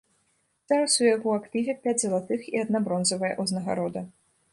Зараз у яго актыве пяць залатых і адна бронзавая ўзнагарода.